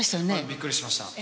びっくりしました。